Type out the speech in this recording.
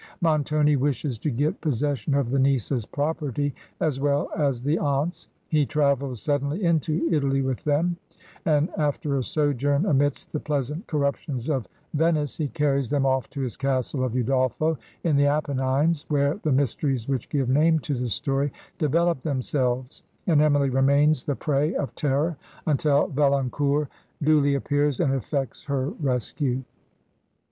Montoni wishes to get possession of the niece's property as well as the aunt's; he travels suddenly into Italy with them, and after a sojourn amidst the pleasant corruptions of Ven ice, he carries them off to his castle of Udolpho in the Apennines, where the mysteries which give name to the story develop themselves, and Emily remains the prey of terror until Valancourt duly appears and effects her rescue.